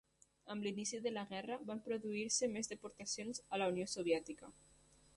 Amb l'inici de la guerra van produir-se més deportacions a la Unió Soviètica.